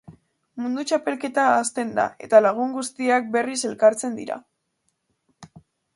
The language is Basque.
Mundu Txapelketa hasten da, eta lagun guztiak berriz elkartzen dira.